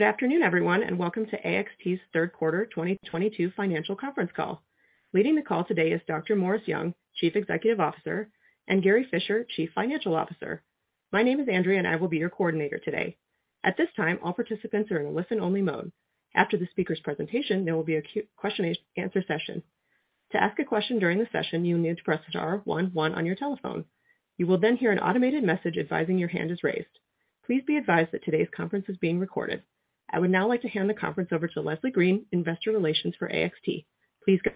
Good afternoon, everyone, and welcome to AXT's third quarter 2022 financial conference call. Leading the call today is Dr. Morris Young, Chief Executive Officer, and Gary Fischer, Chief Financial Officer. My name is Andrea and I will be your coordinator today. At this time, all participants are in a listen only mode. After the speaker's presentation, there will be a question answer session. To ask a question during the session, you need to press star one one on your telephone. You will then hear an automated message advising your hand is raised. Please be advised that today's conference is being recorded. I would now like to hand the conference over to Leslie Green, Investor Relations for AXT. Please go.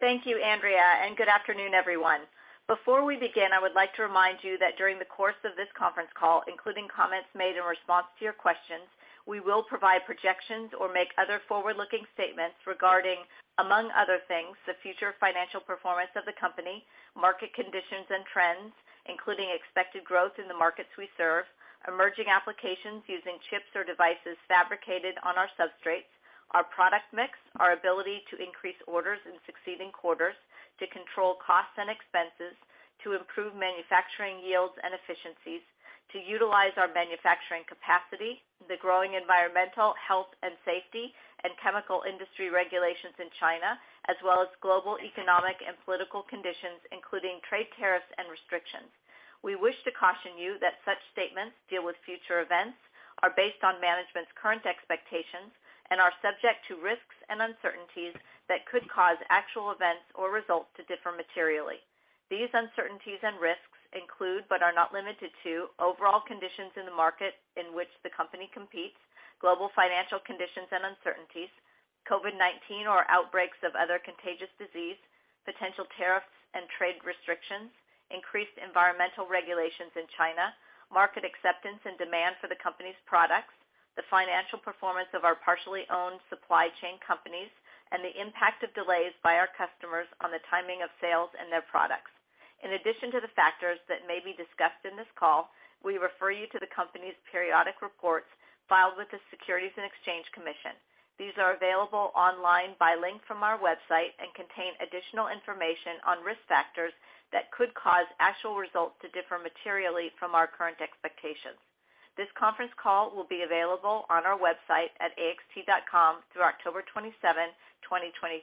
Thank you, Andrea, and good afternoon, everyone. Before we begin, I would like to remind you that during the course of this conference call, including comments made in response to your questions, we will provide projections or make other forward-looking statements regarding, among other things, the future financial performance of the company, market conditions and trends, including expected growth in the markets we serve, emerging applications using chips or devices fabricated on our substrates, our product mix, our ability to increase orders in succeeding quarters, to control costs and expenses, to improve manufacturing yields and efficiencies, to utilize our manufacturing capacity, the growing environmental, health and safety, and chemical industry regulations in China, as well as global economic and political conditions, including trade tariffs and restrictions. We wish to caution you that such statements deal with future events, are based on management's current expectations, and are subject to risks and uncertainties that could cause actual events or results to differ materially. These uncertainties and risks include, but are not limited to, overall conditions in the market in which the company competes, global financial conditions and uncertainties, COVID-19 or outbreaks of other contagious disease, potential tariffs and trade restrictions, increased environmental regulations in China, market acceptance and demand for the company's products, the financial performance of our partially owned supply chain companies, and the impact of delays by our customers on the timing of sales and their products. In addition to the factors that may be discussed in this call, we refer you to the company's periodic reports filed with the Securities and Exchange Commission. These are available online by link from our website and contain additional information on risk factors that could cause actual results to differ materially from our current expectations. This conference call will be available on our website at axt.com through October 27, 2023.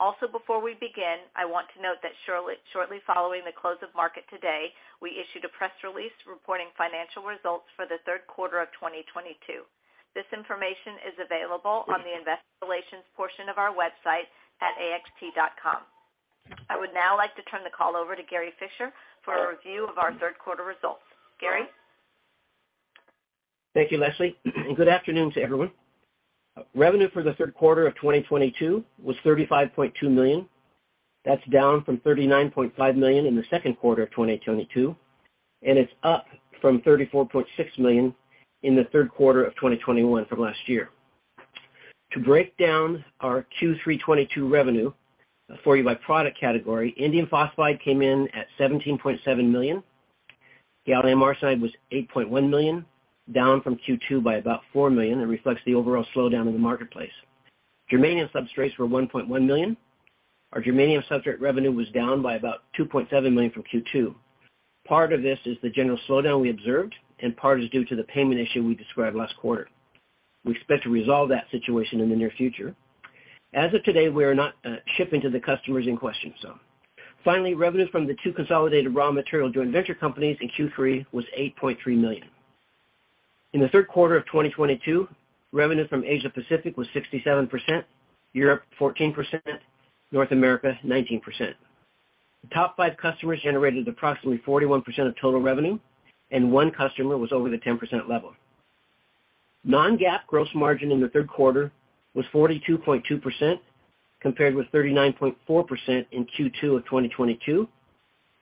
Also, before we begin, I want to note that shortly following the close of market today, we issued a press release reporting financial results for the third quarter of 2022. This information is available on the investor relations portion of our website at axt.com. I would now like to turn the call over to Gary Fischer for a review of our third quarter results. Gary? Thank you, Leslie, and good afternoon to everyone. Revenue for the third quarter of 2022 was $35.2 million. That's down from $39.5 million in the second quarter of 2022, and it's up from $34.6 million in the third quarter of 2021 from last year. To break down our Q3 2022 revenue for you by product category, indium phosphide came in at $17.7 million. Gallium arsenide was $8.1 million, down from Q2 by about $4 million and reflects the overall slowdown in the marketplace. Germanium substrates were $1.1 million. Our germanium substrate revenue was down by about $2.7 million from Q2. Part of this is the general slowdown we observed, and part is due to the payment issue we described last quarter. We expect to resolve that situation in the near future. As of today, we are not shipping to the customers in question, so. Finally, revenue from the two consolidated raw material joint venture companies in Q3 was $8.3 million. In the third quarter of 2022, revenue from Asia Pacific was 67%, Europe 14%, North America 19%. The top five customers generated approximately 41% of total revenue and one customer was over the 10% level. non-GAAP gross margin in the third quarter was 42.2% compared with 39.4% in Q2 of 2022,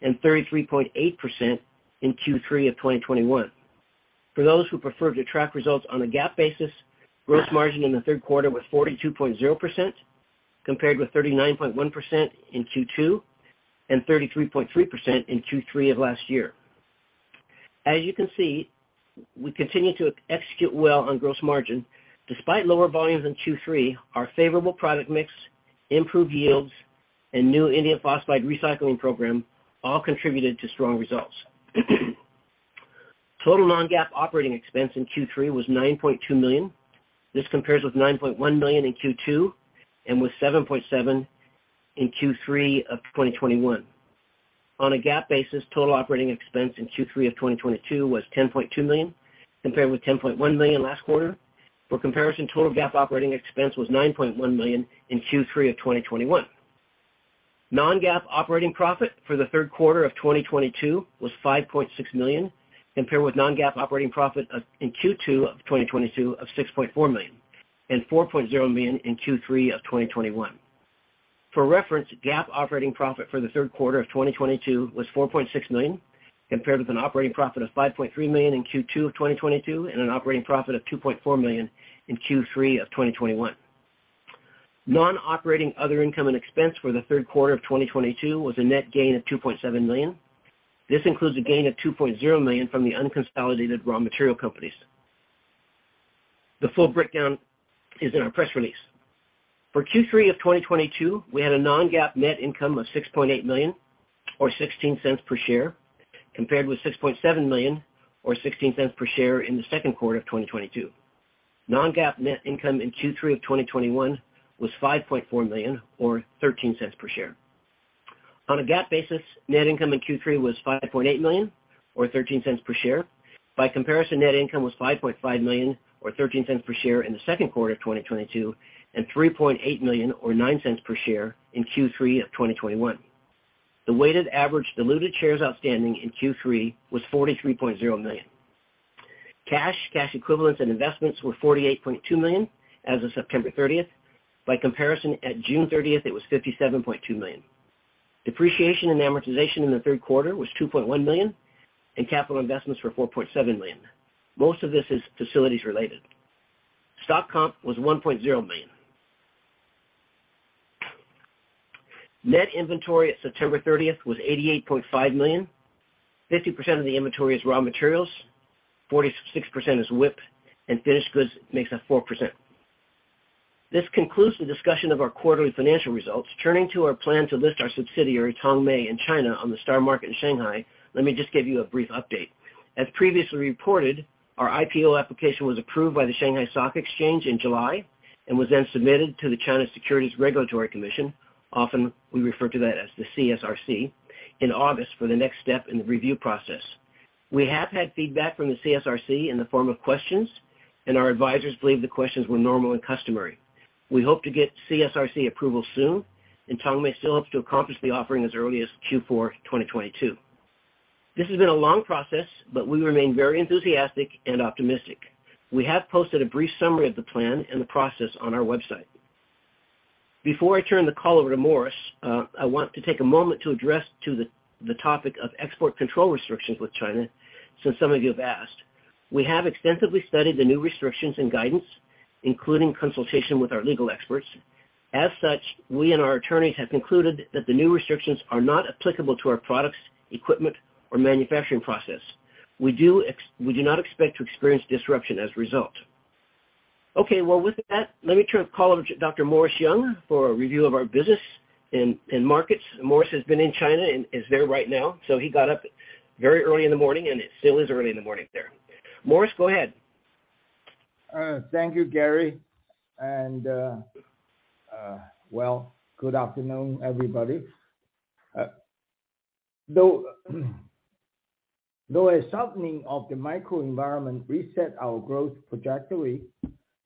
and 33.8% in Q3 of 2021. For those who prefer to track results on a GAAP basis, gross margin in the third quarter was 42.0% compared with 39.1% in Q2 and 33.3% in Q3 of last year. As you can see, we continue to execute well on gross margin. Despite lower volumes in Q3, our favorable product mix, improved yields, and new indium phosphide recycling program all contributed to strong results. Total non-GAAP operating expense in Q3 was $9.2 million. This compares with $9.1 million in Q2 and with $7.7 million in Q3 of 2021. On a GAAP basis, total operating expense in Q3 of 2022 was $10.2 million, compared with $10.1 million last quarter. For comparison, total GAAP operating expense was $9.1 million in Q3 of 2021. Non-GAAP operating profit for the third quarter of 2022 was $5.6 million, compared with non-GAAP operating profit in Q2 of 2022 of $6.4 million and $4.0 million in Q3 of 2021. For reference, GAAP operating profit for the third quarter of 2022 was $4.6 million, compared with an operating profit of $5.3 million in Q2 of 2022, and an operating profit of $2.4 million in Q3 of 2021. Non-operating other income and expense for the third quarter of 2022 was a net gain of $2.7 million. This includes a gain of $2.0 million from the unconsolidated raw material companies. The full breakdown is in our press release. For Q3 of 2022, we had a non-GAAP net income of $6.8 million, or $0.16 per share, compared with $6.7 million or $0.16 per share in the second quarter of 2022. Non-GAAP net income in Q3 of 2021 was $5.4 million or $0.13 per share. On a GAAP basis, net income in Q3 was $5.8 million or $0.13 per share. By comparison, net income was $5.5 million or $0.13 per share in the second quarter of 2022, and $3.8 million or $0.09 per share in Q3 of 2021. The weighted average diluted shares outstanding in Q3 was 43.0 million. Cash, cash equivalents and investments were $48.2 million as of September 30. By comparison, at June 30, it was $57.2 million. Depreciation and amortization in the third quarter was $2.1 million, and capital investments were $4.7 million. Most of this is facilities related. Stock comp was $1.0 million. Net inventory at September 30 was $88.5 million. 50% of the inventory is raw materials, 46% is WIP, and finished goods makes up 4%. This concludes the discussion of our quarterly financial results. Turning to our plan to list our subsidiary, Tongmei, in China on the STAR Market in Shanghai, let me just give you a brief update. As previously reported, our IPO application was approved by the Shanghai Stock Exchange in July, and was then submitted to the China Securities Regulatory Commission, often we refer to that as the CSRC, in August for the next step in the review process. We have had feedback from the CSRC in the form of questions, and our advisors believe the questions were normal and customary. We hope to get CSRC approval soon, and Tongmei still hopes to accomplish the offering as early as Q4 2022. This has been a long process, but we remain very enthusiastic and optimistic. We have posted a brief summary of the plan and the process on our website. Before I turn the call over to Morris, I want to take a moment to address the topic of export control restrictions with China, since some of you have asked. We have extensively studied the new restrictions and guidance, including consultation with our legal experts. As such, we and our attorneys have concluded that the new restrictions are not applicable to our products, equipment or manufacturing process. We do not expect to experience disruption as a result. Well, with that, let me turn the call over to Dr. Morris Young for a review of our business in markets. Morris has been in China and is there right now, so he got up very early in the morning and it still is early in the morning there. Morris, go ahead. Thank you, Gary. Well, good afternoon, everybody. Though a softening of the microenvironment reset our growth trajectory,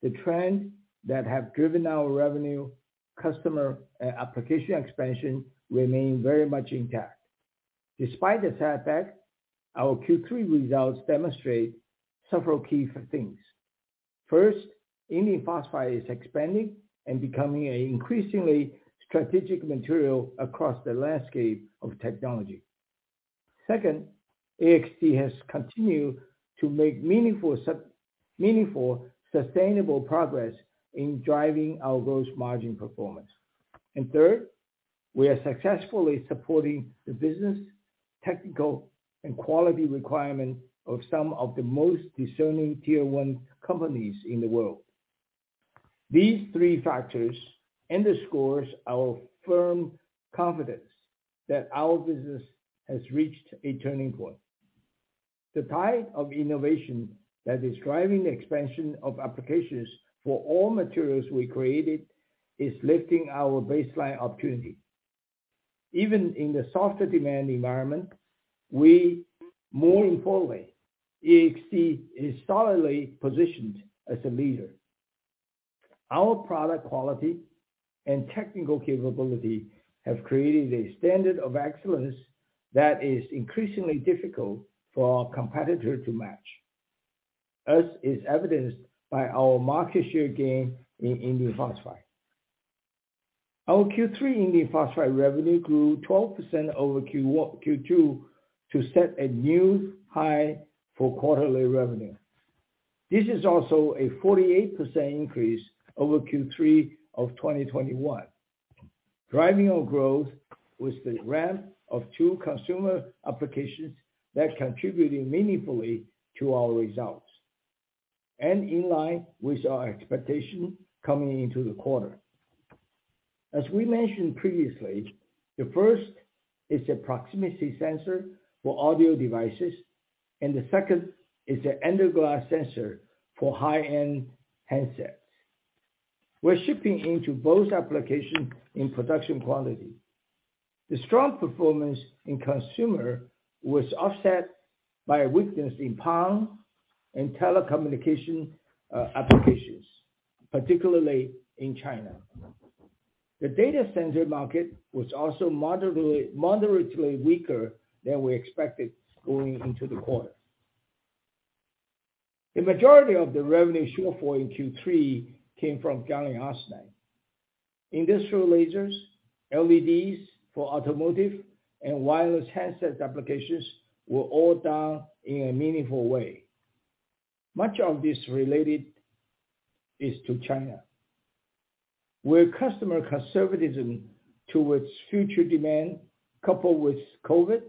the trends that have driven our revenue, customer, application expansion remain very much intact. Despite the setback, our Q3 results demonstrate several key things. First, indium phosphide is expanding and becoming an increasingly strategic material across the landscape of technology. Second, AXT has continued to make meaningful, sustainable progress in driving our gross margin performance. And third, we are successfully supporting the business, technical and quality requirements of some of the most discerning tier one companies in the world. These three factors underscores our firm confidence that our business has reached a turning point. The tide of innovation that is driving the expansion of applications for all materials we created is lifting our baseline opportunity. Even in the softer demand environment, we moving forward, AXT is solidly positioned as a leader. Our product quality and technical capability have created a standard of excellence that is increasingly difficult for our competitor to match, as is evidenced by our market share gain in indium phosphide. Our Q3 indium phosphide revenue grew 12% over Q2 to set a new high for quarterly revenue. This is also a 48% increase over Q3 of 2021. Driving our growth was the ramp of two consumer applications that contributed meaningfully to our results and in line with our expectations coming into the quarter. As we mentioned previously, the first is a proximity sensor for audio devices, and the second is an under glass sensor for high-end handsets. We're shipping into both applications in production quality. The strong performance in consumer was offset by a weakness in power and telecommunication applications, particularly in China. The data center market was also moderately weaker than we expected going into the quarter. The majority of the revenue shortfall in Q3 came from gallium arsenide. Industrial lasers, LEDs for automotive and wireless handset applications were all down in a meaningful way. Much of this relates to China, where customer conservatism towards future demand, coupled with COVID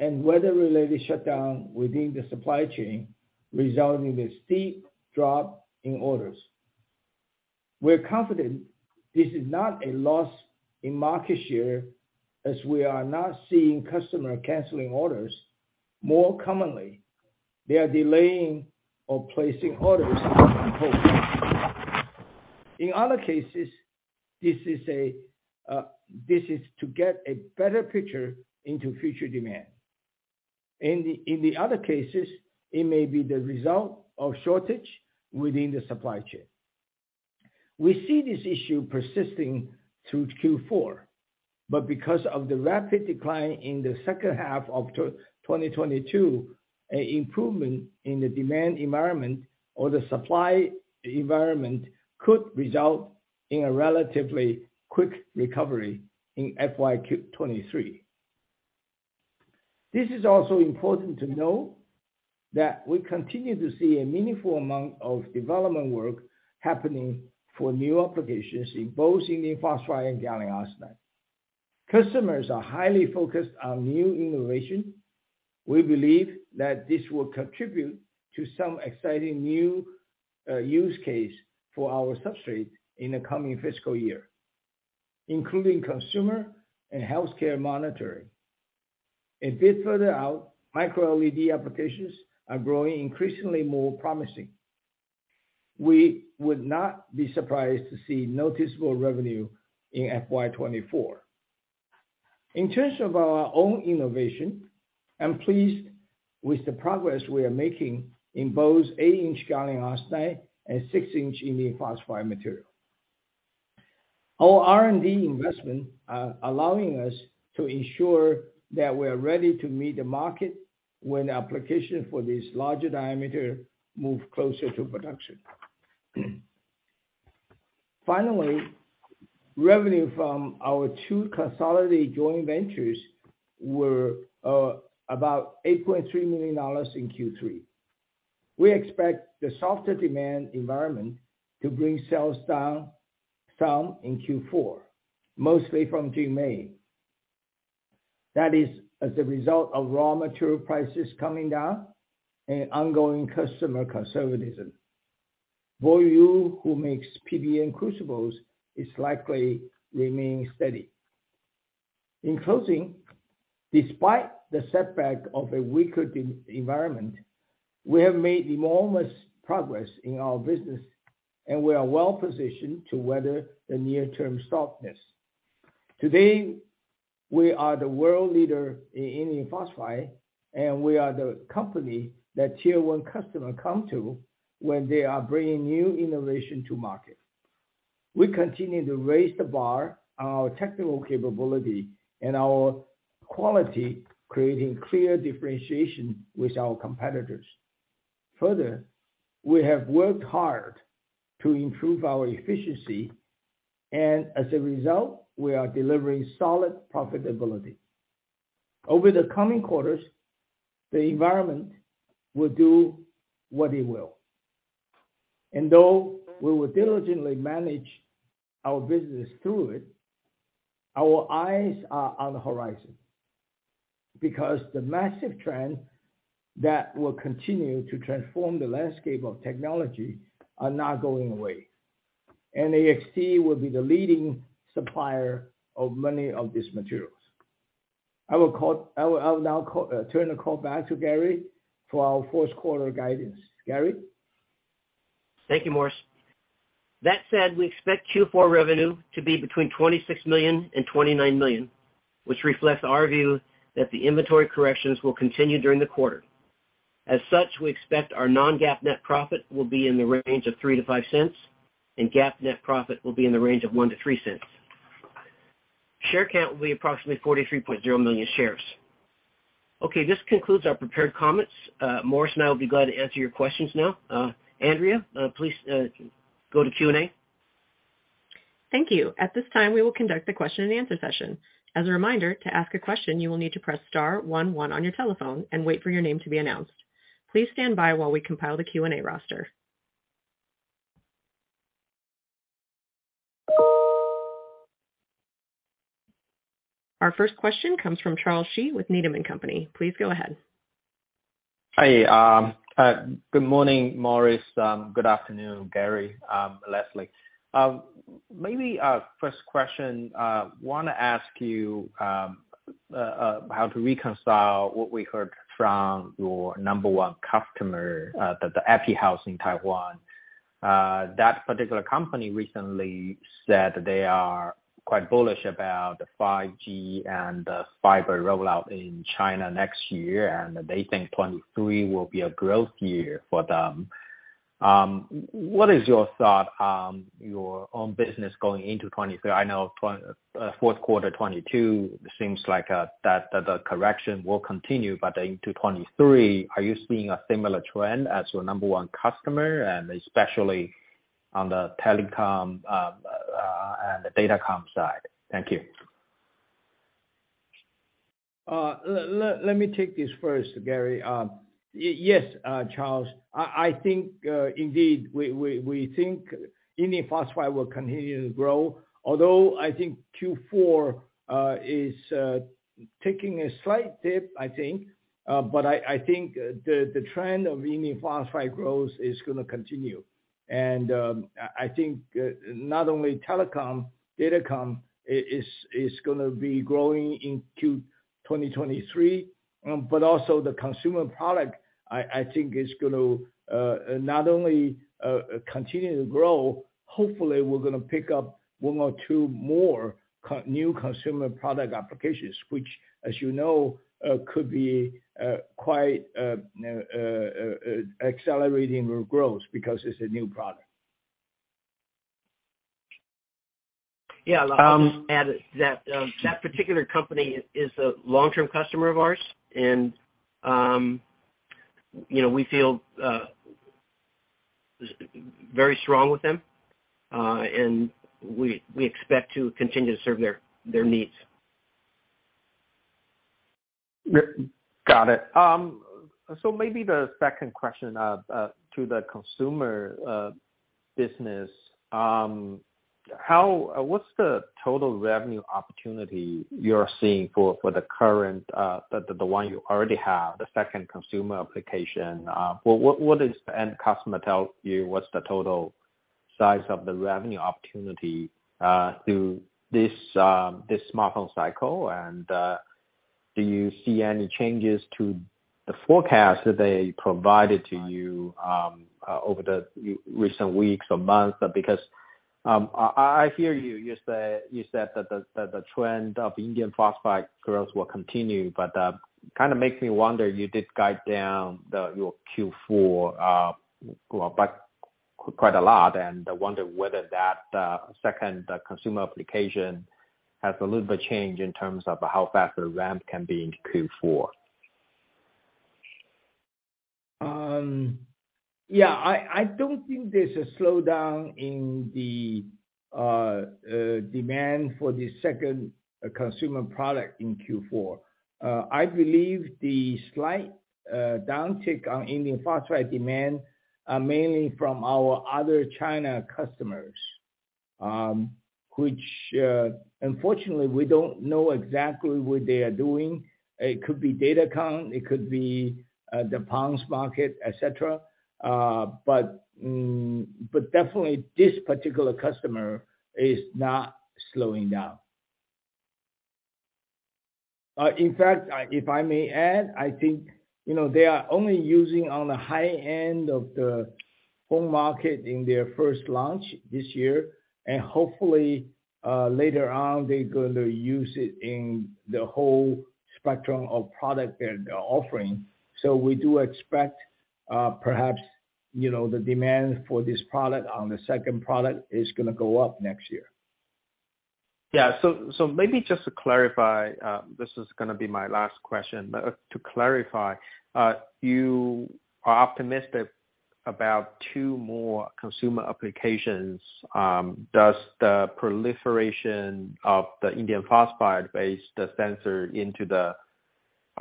and weather-related shutdown within the supply chain resulting in a steep drop in orders. We're confident this is not a loss in market share as we are not seeing customer canceling orders. More commonly, they are delaying or placing orders on hold. In other cases, this is to get a better picture into future demand. In the other cases, it may be the result of shortage within the supply chain. We see this issue persisting through Q4, but because of the rapid decline in the second half of 2022, an improvement in the demand environment or the supply environment could result in a relatively quick recovery in FY 2023. This is also important to know that we continue to see a meaningful amount of development work happening for new applications in both indium phosphide and gallium arsenide. Customers are highly focused on new innovation. We believe that this will contribute to some exciting new use case for our substrate in the coming fiscal year, including consumer and healthcare monitoring. A bit further out, microLED applications are growing increasingly more promising. We would not be surprised to see noticeable revenue in FY 2024. In terms of our own innovation, I'm pleased with the progress we are making in both eight-inch gallium arsenide and six-inch indium phosphide material. Our R&D investment are allowing us to ensure that we're ready to meet the market when application for this larger diameter move closer to production. Finally, revenue from our two consolidated joint ventures were about $8.3 million in Q3. We expect the softer demand environment to bring sales down some in Q4, mostly from JinMei. That is as a result of raw material prices coming down and ongoing customer conservatism. BoYu, who makes PBN crucibles, is likely remaining steady. In closing, despite the setback of a weaker demand environment, we have made enormous progress in our business and we are well positioned to weather the near term softness. Today, we are the world leader in indium phosphide, and we are the company that tier one customers come to when they are bringing new innovation to market. We continue to raise the bar, our technical capability, and our quality, creating clear differentiation with our competitors. Further, we have worked hard to improve our efficiency and as a result, we are delivering solid profitability. Over the coming quarters, the environment will do what it will. Though we will diligently manage our business through it, our eyes are on the horizon because the massive trends that will continue to transform the landscape of technology are not going away. AXT will be the leading supplier of many of these materials. I will now turn the call back to Gary for our first quarter guidance. Gary? Thank you, Morris. That said, we expect Q4 revenue to be between $26 million and $29 million, which reflects our view that the inventory corrections will continue during the quarter. As such, we expect our non-GAAP net profit will be in the range of $0.03-$0.05, and GAAP net profit will be in the range of $0.01-$0.03. Share count will be approximately 43.0 million shares. Okay, this concludes our prepared comments. Morris and I will be glad to answer your questions now. Andrea, please, go to Q&A. Thank you. At this time, we will conduct the question and answer session. As a reminder, to ask a question, you will need to press star one one on your telephone and wait for your name to be announced. Please stand by while we compile the Q&A roster. Our first question comes from Charles Shi with Needham & Company. Please go ahead. Good morning, Morris. Good afternoon, Gary, Leslie. Maybe first question, wanna ask you, how to reconcile what we heard from your number one customer, the IQE in Taiwan. That particular company recently said they are quite bullish about 5G and the fiber rollout in China next year, and they think 2023 will be a growth year for them. What is your thought on your own business going into 2023? I know fourth quarter 2022 seems like, that the correction will continue, but into 2023, are you seeing a similar trend as your number one customer and especially on the telecom, and the datacom side? Thank you. Let me take this first, Gary. Yes, Charles. I think indeed we think indium phosphide will continue to grow. Although I think Q4 is taking a slight dip, I think. I think the trend of indium phosphide growth is gonna continue. I think not only telecom, datacom is gonna be growing in Q 2023, but also the consumer product I think is gonna not only continue to grow, hopefully we're gonna pick up one or two more new consumer product applications, which, as you know, could be quite accelerating growth because it's a new product. Yeah. Um- That particular company is a long-term customer of ours and, you know, we feel very strong with them, and we expect to continue to serve their needs. Got it. Maybe the second question to the consumer business. What's the total revenue opportunity you're seeing for the current one you already have, the second consumer application? What does the end customer tell you, what's the total size of the revenue opportunity through this smartphone cycle? Do you see any changes to the forecast that they provided to you over the recent weeks or months? Because I hear you said that the trend of indium phosphide growth will continue. Kind of makes me wonder, you did guide down your Q4 by quite a lot, and I wonder whether that second consumer application has a little bit changed in terms of how fast the ramp can be in Q4. Yeah, I don't think there's a slowdown in the demand for the second consumer product in Q4. I believe the slight downtick on indium phosphide demand are mainly from our other China customers, which, unfortunately, we don't know exactly what they are doing. It could be datacom, it could be the PON market, et cetera. Definitely this particular customer is not slowing down. In fact, if I may add, I think, you know, they are only using on the high end of the phone market in their first launch this year. Hopefully, later on, they're going to use it in the whole spectrum of product they're offering. We do expect, perhaps, you know, the demand for this product on the second product is gonna go up next year. Maybe just to clarify, this is gonna be my last question. To clarify, you are optimistic about two more consumer applications. Does the proliferation of the indium phosphide-based sensor.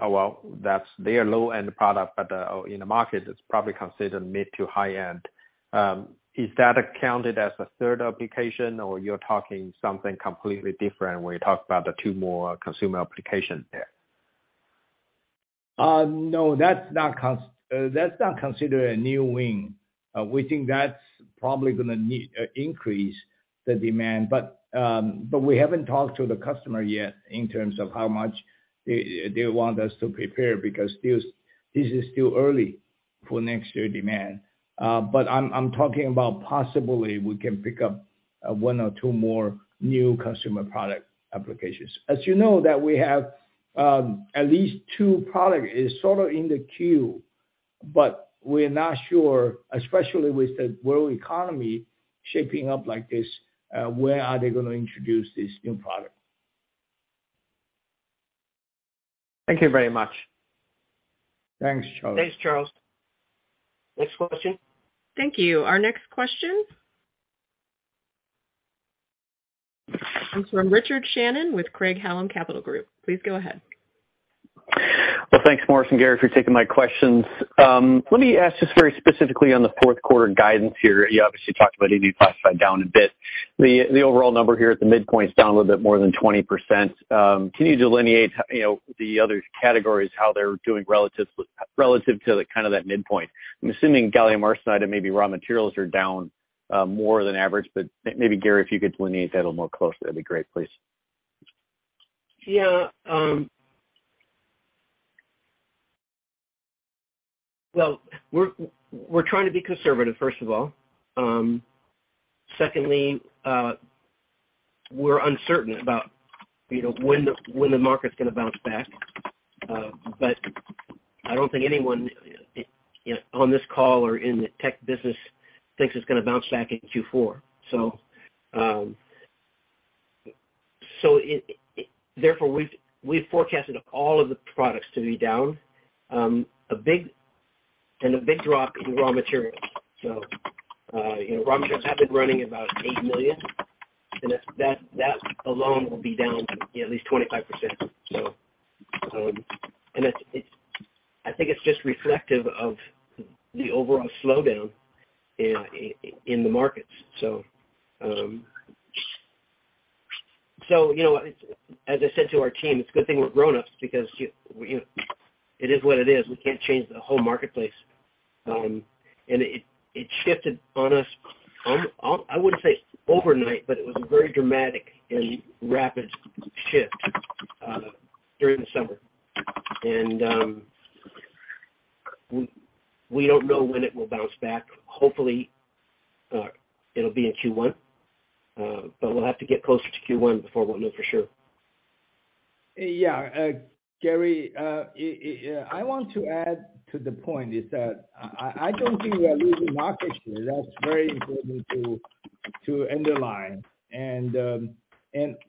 Well, that's their low-end product, but or in the market, it's probably considered mid to high end. Is that accounted as a third application, or you're talking something completely different when you talk about the two more consumer applications there? No, that's not considered a new win. We think that's probably gonna increase the demand. We haven't talked to the customer yet in terms of how much they want us to prepare, because this is still early for next year demand. I'm talking about possibly we can pick up one or two more new consumer product applications. As you know, that we have at least two product is sort of in the queue, but we're not sure, especially with the world economy shaping up like this, where are they gonna introduce this new product. Thank you very much. Thanks, Charles. Thanks, Charles. Next question. Thank you. Our next question comes from Richard Shannon with Craig-Hallum Capital Group. Please go ahead. Well, thanks, Morris and Gary, for taking my questions. Let me ask just very specifically on the fourth quarter guidance here. You obviously talked about indium phosphide down a bit. The overall number here at the midpoint is down a little bit more than 20%. Can you delineate, you know, the other categories, how they're doing relative to the kind of that midpoint? I'm assuming gallium arsenide and maybe raw materials are down more than average. Maybe Gary, if you could delineate that a little more closely, that'd be great, please. Yeah. Well, we're trying to be conservative, first of all. Secondly, we're uncertain about, you know, when the market's gonna bounce back. I don't think anyone, you know, on this call or in the tech business thinks it's gonna bounce back in Q4. Therefore, we've forecasted all of the products to be down. A big and the big drop in raw materials. You know, raw materials have been running about $8 million, and that alone will be down at least 25%. It's just reflective of the overall slowdown in the markets. You know, as I said to our team, it's a good thing we're grown-ups because, you know, it is what it is. We can't change the whole marketplace. It shifted on us. I wouldn't say overnight, but it was a very dramatic and rapid shift during the summer. We don't know when it will bounce back. Hopefully, it'll be in Q1, but we'll have to get closer to Q1 before we'll know for sure. Yeah. Gary, I want to add to the point is that I don't think we are losing market share. That's very important to underline.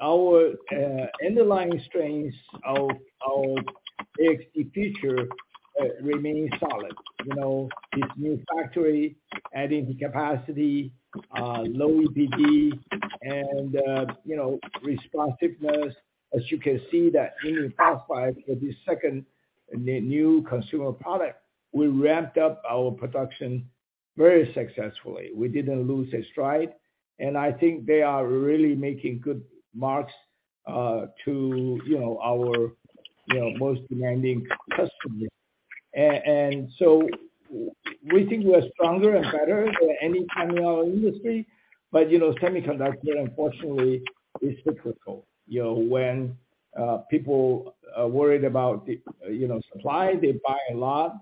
Our underlying strengths of our AXT future remain solid. You know, this new factory adding the capacity, uncertain and, you know, responsiveness. As you can see that indium phosphide for the second new consumer product, we ramped up our production very successfully. We didn't lose a stride, and I think they are really making good marks to, you know, our most demanding customers. We think we're stronger and better than any time in our industry. You know, semiconductor, unfortunately, is cyclical. You know, when people are worried about the, you know, supply, they buy a lot.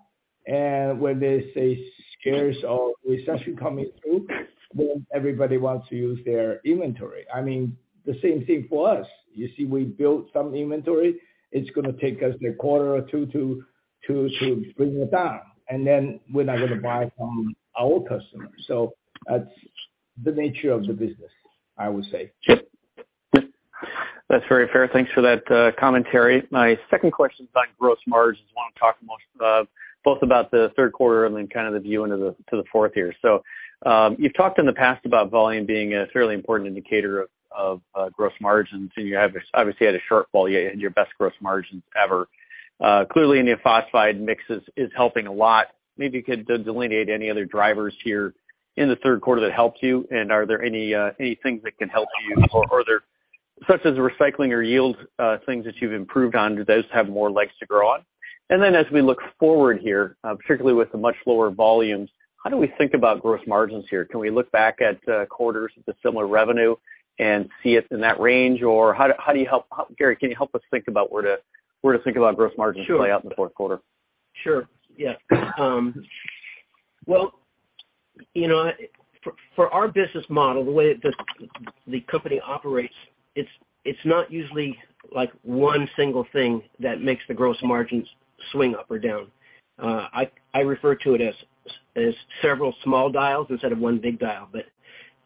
When they say scares of recession coming through, then everybody wants to use their inventory. I mean, the same thing for us. You see, we built some inventory. It's gonna take us a quarter or two to bring it down. We're not gonna buy from our customers. That's the nature of the business, I would say. That's very fair. Thanks for that, commentary. My second question is on gross margins. I wanna talk mostly about both the third quarter and then kind of the view into the fourth quarter. You've talked in the past about volume being a fairly important indicator of gross margins, and you have obviously had your best gross margins ever. Clearly indium phosphide mix is helping a lot. Maybe you could delineate any other drivers here in the third quarter that helped you, and are there any things that can help you or are there, such as recycling or yield, things that you've improved on. Do those have more legs to grow on? As we look forward here, particularly with the much lower volumes, how do we think about gross margins here? Can we look back at quarters with a similar revenue and see it in that range, or Gary, can you help us think about where to think about gross margins play out in the fourth quarter? Sure. Yeah. Well, you know, for our business model, the way the company operates, it's not usually like one single thing that makes the gross margins swing up or down. I refer to it as several small dials instead of one big dial.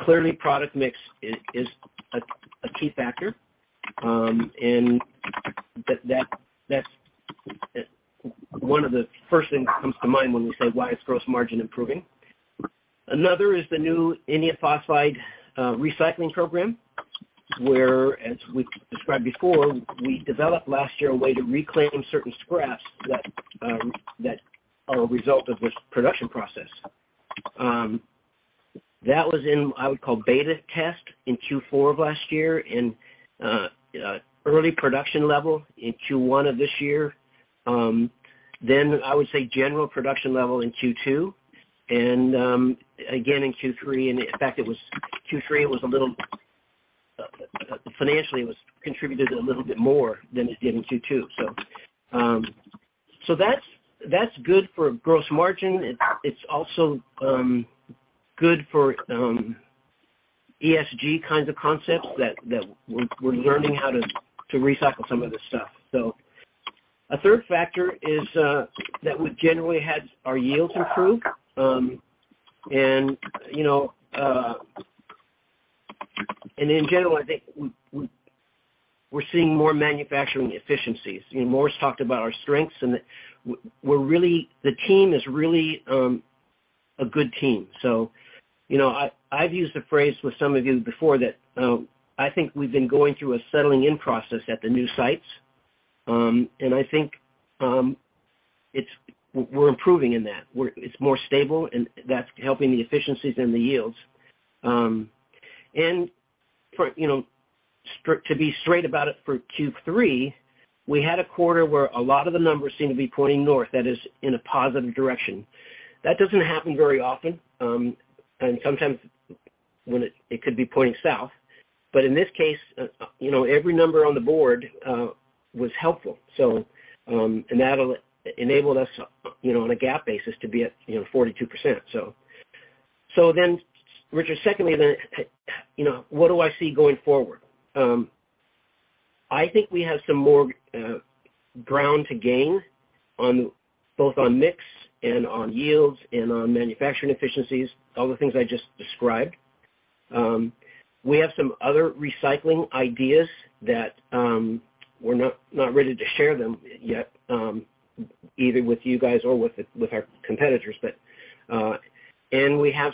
Clearly product mix is a key factor, and that's one of the first things that comes to mind when we say, why is gross margin improving. Another is the new indium phosphide recycling program. Whereas we described before, we developed last year a way to reclaim certain scraps that are a result of this production process. That was in, I would call beta test in Q4 of last year and early production level in Q1 of this year. I would say general production level in Q2 and again in Q3. In fact, in Q3 it contributed a little bit more than it did in Q2. That's good for gross margin. It's also good for ESG kinds of concepts that we're learning how to recycle some of this stuff. A third factor is that we've generally had our yields improve. You know, in general, I think we're seeing more manufacturing efficiencies. You know, Morris talked about our strengths and the team is really a good team. You know, I've used the phrase with some of you before that I think we've been going through a settling in process at the new sites. I think we're improving in that. It's more stable and that's helping the efficiencies and the yields. To be straight about it, for Q3, we had a quarter where a lot of the numbers seem to be pointing north, that is in a positive direction. That doesn't happen very often, and sometimes when it could be pointing south, but in this case, you know, every number on the board was helpful. That'll enable us, you know, on a GAAP basis to be at 42%. Richard, secondly, you know, what do I see going forward? I think we have some more ground to gain on both on mix and on yields and on manufacturing efficiencies, all the things I just described. We have some other recycling ideas that we're not ready to share them yet either with you guys or with our competitors. We have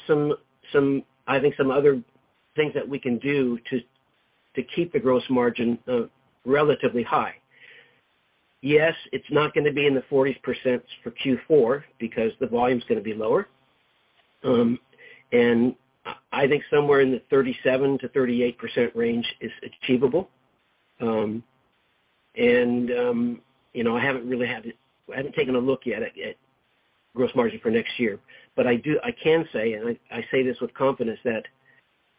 some other things that we can do to keep the gross margin relatively high. Yes, it's not gonna be in the 40% for Q4 because the volume's gonna be lower. I think somewhere in the 37%-38% range is achievable. You know, I haven't taken a look yet at gross margin for next year. I can say, and I say this with confidence,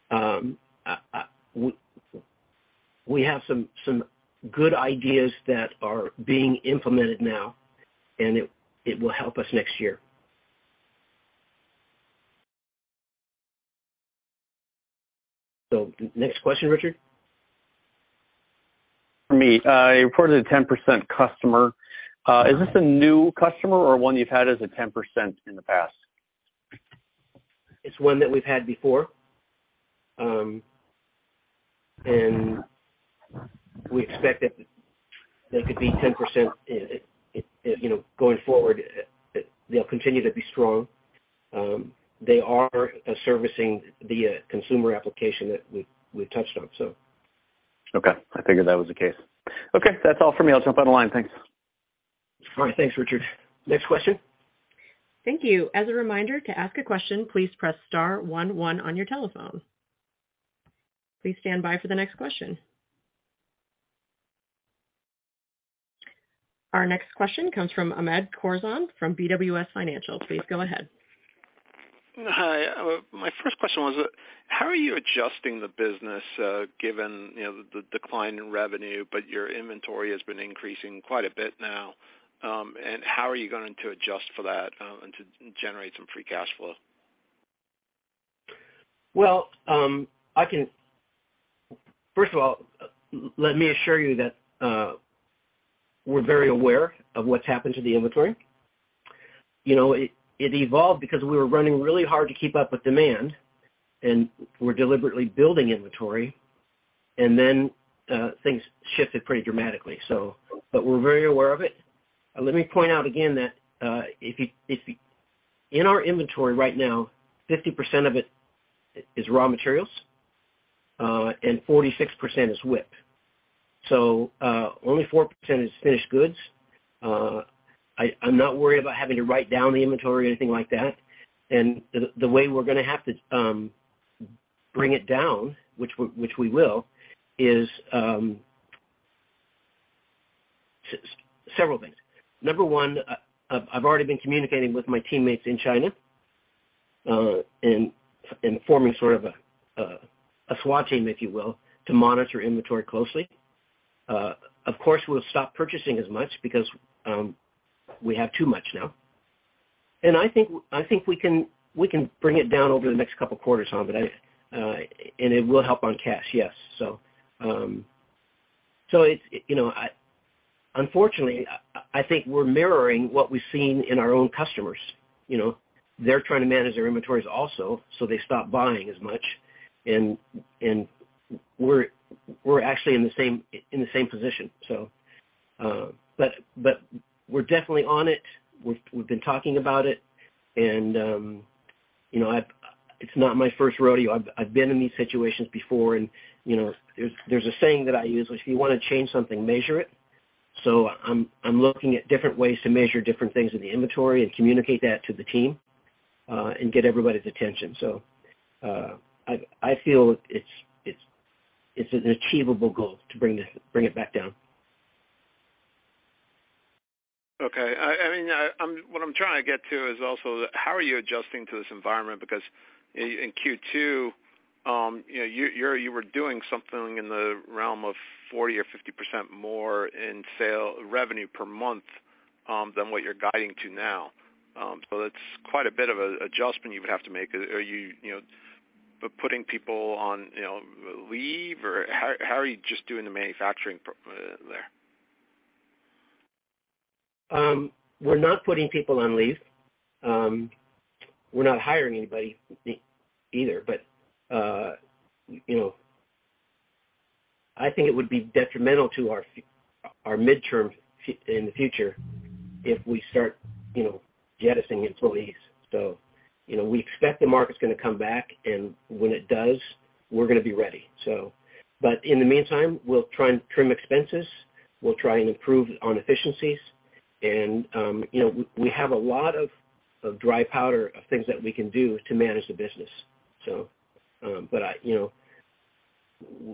that we have some good ideas that are being implemented now, and it will help us next year. Next question, Richard. For me. You reported a 10% customer. Is this a new customer or one you've had as a 10% in the past? It's one that we've had before. We expect that they could be 10%, you know, going forward. They'll continue to be strong. They are servicing the consumer application that we've touched on so. Okay. I figured that was the case. Okay. That's all for me. I'll jump on the line. Thanks. All right. Thanks, Richard. Next question. Thank you. As a reminder, to ask a question, please press star one one on your telephone. Please stand by for the next question. Our next question comes from Hamed Khorsand from BWS Financial. Please go ahead. Hi. My first question was, how are you adjusting the business, given, you know, the decline in revenue, but your inventory has been increasing quite a bit now? How are you going to adjust for that, and to generate some free cash flow? Well, first of all, let me assure you that we're very aware of what's happened to the inventory. You know, it evolved because we were running really hard to keep up with demand, and we're deliberately building inventory. Things shifted pretty dramatically. We're very aware of it. Let me point out again that in our inventory right now, 50% of it is raw materials, and 46% is WIP. Only 4% is finished goods. I'm not worried about having to write down the inventory or anything like that. The way we're gonna have to bring it down, which we will, is several things. Number 1, I've already been communicating with my teammates in China, and forming sort of a SWAT team, if you will, to monitor inventory closely. Of course, we'll stop purchasing as much because we have too much now. I think we can bring it down over the next couple of quarters, Hamed. It will help on cash. Yes. It's, you know, unfortunately, I think we're mirroring what we've seen in our own customers. You know, they're trying to manage their inventories also, so they stop buying as much. We're actually in the same position. We're definitely on it. We've been talking about it. You know, it's not my first rodeo. I've been in these situations before and, you know, there's a saying that I use, which if you wanna change something, measure it. I'm looking at different ways to measure different things in the inventory and communicate that to the team, and get everybody's attention. I feel it's an achievable goal to bring it back down. Okay. I mean, what I'm trying to get to is also how are you adjusting to this environment? Because in Q2, you know, you were doing something in the realm of 40 or 50% more in sales revenue per month than what you're guiding to now. So that's quite a bit of an adjustment you would have to make. Are you know, putting people on, you know, leave, or how are you just doing the manufacturing there? We're not putting people on leave. We're not hiring anybody either. You know, I think it would be detrimental to our midterm future if we start, you know, jettisoning employees. You know, we expect the market's gonna come back, and when it does, we're gonna be ready. In the meantime, we'll try and trim expenses. We'll try and improve on efficiencies. You know, we have a lot of dry powder of things that we can do to manage the business. You know,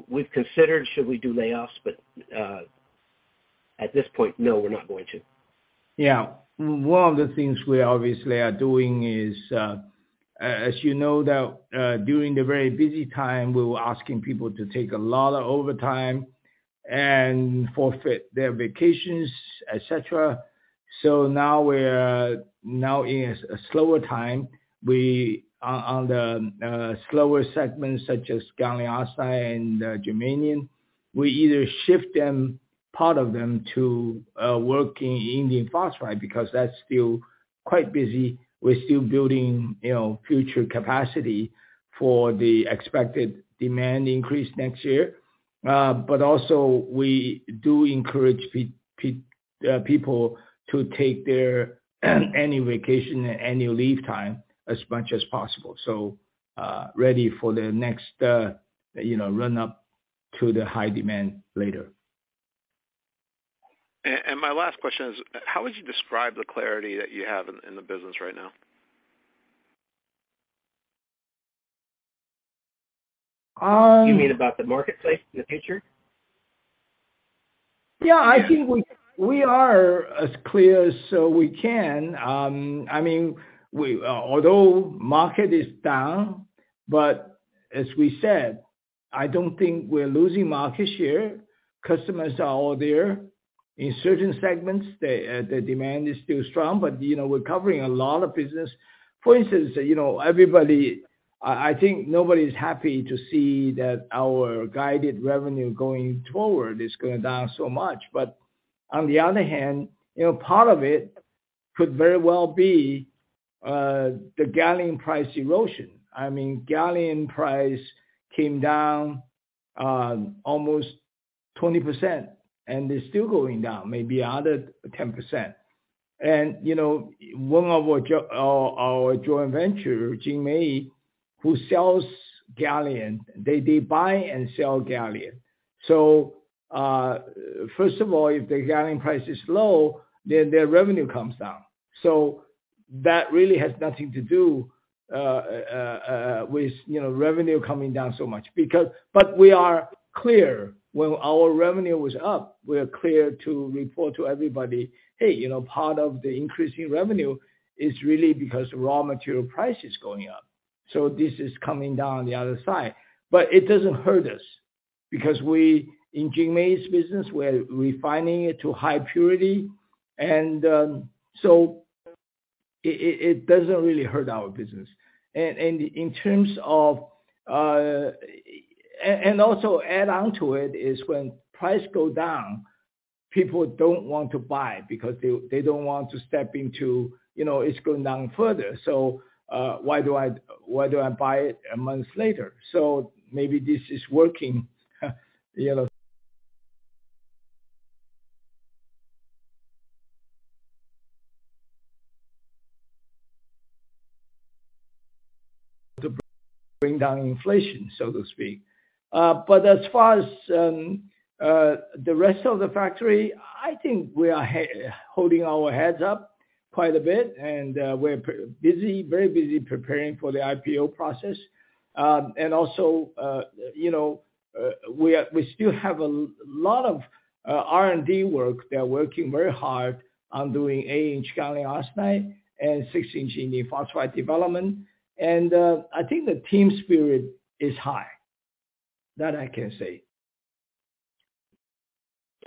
we've considered should we do layoffs, but at this point, no, we're not going to. Yeah. One of the things we obviously are doing is, as you know, during the very busy time, we were asking people to take a lot of overtime and forfeit their vacations, et cetera. Now we're in a slower time. We are on the slower segments such as gallium arsenide and germanium. We either shift part of them to work in indium phosphide because that's still quite busy. We're still building, you know, future capacity for the expected demand increase next year. Also we do encourage people to take their vacation and annual leave time as much as possible, so ready for the next, you know, run up to the high demand later. My last question is, how would you describe the clarity that you have in the business right now? Um- You mean about the marketplace in the future? Yeah. I think we are as clear as we can. I mean, although market is down, but as we said, I don't think we're losing market share. Customers are all there. In certain segments, the demand is still strong, but you know, we're covering a lot of business. For instance, you know, everybody I think nobody's happy to see that our guided revenue going forward is gonna down so much. On the other hand, you know, part of it could very well be the gallium price erosion. I mean, gallium price came down almost 20% and is still going down, maybe another 10%. You know, one of our our joint venture, JinMei, who sells gallium, they buy and sell gallium. First of all, if the gallium price is low, then their revenue comes down. That really has nothing to do with, you know, revenue coming down so much because we are clear when our revenue was up, we are clear to report to everybody, hey, you know, part of the increase in revenue is really because raw material price is going up, so this is coming down on the other side. It doesn't hurt us because we, in JinMei's business, we're refining it to high purity. It doesn't really hurt our business. Add on to it is when price go down, people don't want to buy because they don't want to step into, you know, it's going down further. Why do I buy it a month later? Maybe this is working, you know, to bring down inflation, so to speak. As far as the rest of the factory, I think we are holding our heads up quite a bit, and we're busy, very busy preparing for the IPO process. You know, we still have a lot of R&D work. They're working very hard on doing eight-inch gallium arsenide and six-inch indium phosphide development. I think the team spirit is high. That I can say.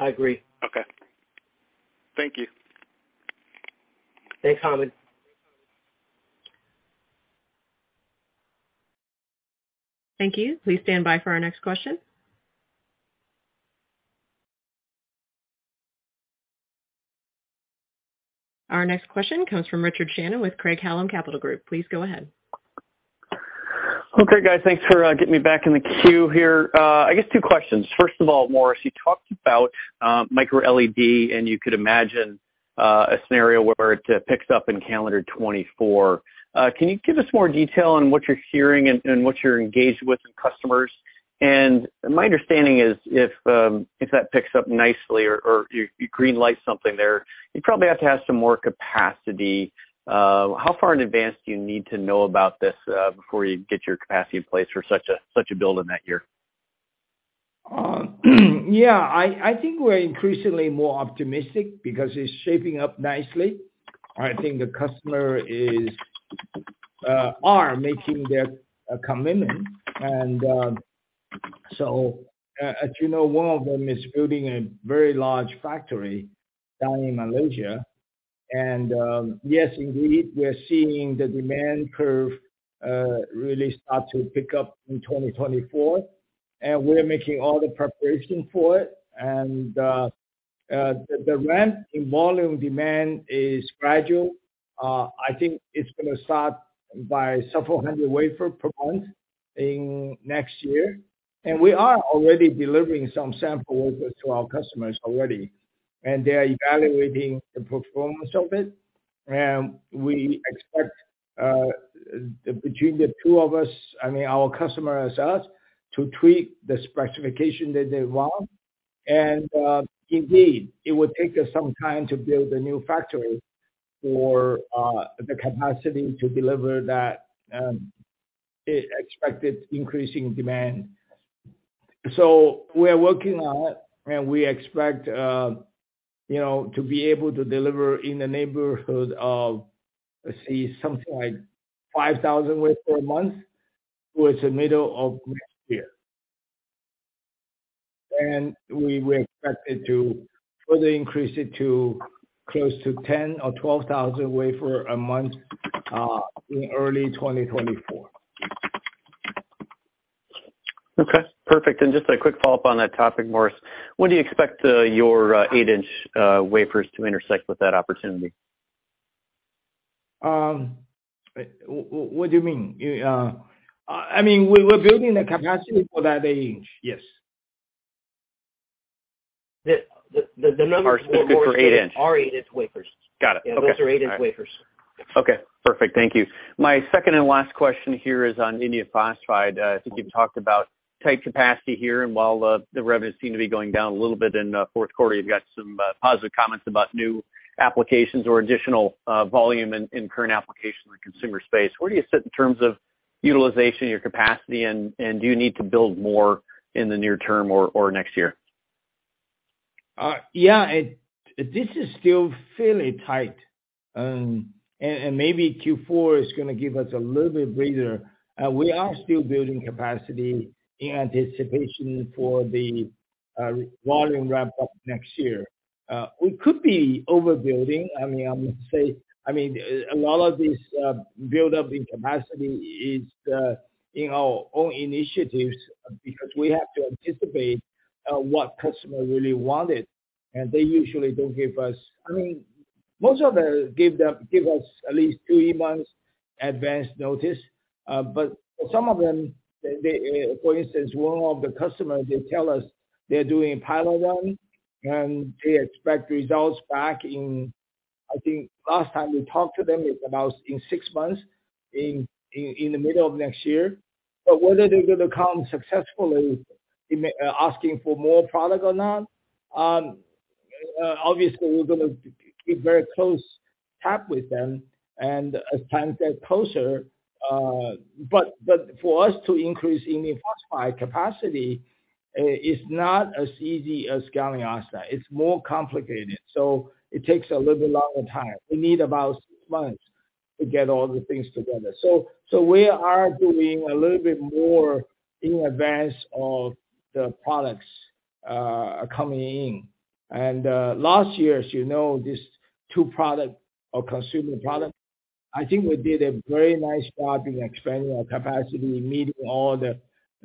I agree. Okay. Thank you. Thanks, Hamed. Thank you. Please stand by for our next question. Our next question comes from Richard Shannon with Craig-Hallum Capital Group. Please go ahead. Okay, guys. Thanks for getting me back in the queue here. I guess two questions. First of all, Morris, you talked about microLED, and you could imagine a scenario where it picks up in calendar 2024. Can you give us more detail on what you're hearing and what you're engaged with in customers? My understanding is if that picks up nicely or you green light something there, you'd probably have to have some more capacity. How far in advance do you need to know about this before you get your capacity in place for such a build in that year? Yeah, I think we're increasingly more optimistic because it's shaping up nicely. I think the customer are making their commitment. Yes, indeed, we are seeing the demand curve really start to pick up in 2024, and we're making all the preparation for it. The ramp in volume demand is gradual. I think it's gonna start by several hundred wafer per month in next year. We are already delivering some samples to our customers already, and they are evaluating the performance of it. We expect between the two of us, I mean, our customer and us, to tweak the specification that they want. Indeed, it would take us some time to build a new factory for the capacity to deliver that expected increasing demand. We are working on it, and we expect, you know, to be able to deliver in the neighborhood of, let's see, something like 5,000 wafers a month towards the middle of next year. We expect it to further increase it to close to 10,000 or 12,000 wafers a month in early 2024. Okay, perfect. Just a quick follow-up on that topic, Morris. When do you expect your eight-inch wafers to intersect with that opportunity? What do you mean? You, I mean, we were building the capacity for that eight-inch. Yes. The numbers. Are specific for eight-inch. Are eight-inch wafers. Got it. Okay. Those are 8-inch wafers. Okay, perfect. Thank you. My second and last question here is on indium phosphide. I think you've talked about tight capacity here, and while the revenues seem to be going down a little bit in fourth quarter, you've got some positive comments about new applications or additional volume in current applications in consumer space. Where do you sit in terms of utilization of your capacity, and do you need to build more in the near term or next year? This is still fairly tight. Maybe Q4 is gonna give us a little bit breather. We are still building capacity in anticipation for the volume ramp up next year. We could be overbuilding. I mean, I'm saying, I mean, a lot of this buildup in capacity is in our own initiatives because we have to anticipate what customer really wanted, and they usually don't give us. I mean, most of them give us at least three months advance notice. But some of them, for instance, one of the customers, they tell us they're doing pilot run, and they expect results back in, I think last time we talked to them, it's about in six months in the middle of next year. Whether they're gonna come successfully in asking for more product or not, obviously, we're gonna keep very close tab with them and as time gets closer. For us to increase indium phosphide capacity is not as easy as gallium arsenide. It's more complicated, so it takes a little bit longer time. We need about six months to get all the things together. We are doing a little bit more in advance of the products coming in. Last year, as you know, these two products are consumer products. I think we did a very nice job in expanding our capacity, meeting all the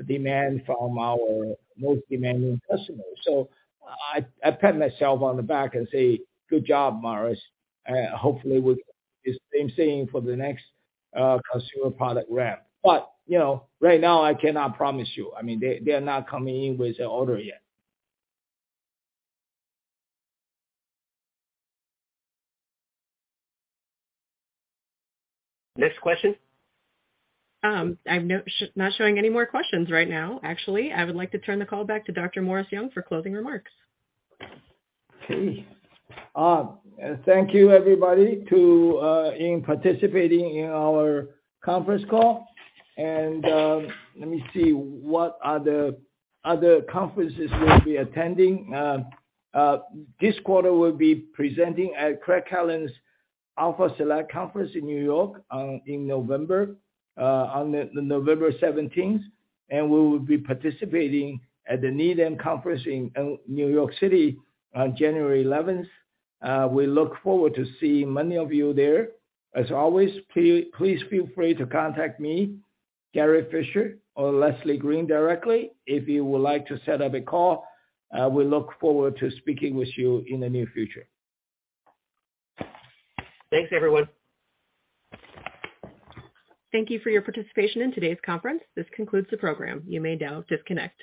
demand from our most demanding customers. I pat myself on the back and say, "Good job, Morris." Hopefully we do the same thing for the next consumer product ramp. You know, right now I cannot promise you. I mean, they are not coming in with an order yet. Next question. I'm not showing any more questions right now, actually. I would like to turn the call back to Dr. Morris Young for closing remarks. Okay. Thank you everybody for participating in our conference call. Let me see what other conferences we'll be attending. This quarter we'll be presenting at Craig-Hallum's Alpha Select Conference in New York in November on November seventeenth. We will be participating at the Needham Conference in New York City on January eleventh. We look forward to seeing many of you there. As always, please feel free to contact me, Gary Fischer or Leslie Green directly if you would like to set up a call. We look forward to speaking with you in the near future. Thanks, everyone. Thank you for your participation in today's conference. This concludes the program. You may now disconnect.